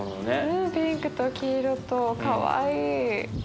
うんピンクと黄色とかわいい。